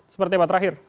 seperti apa terakhir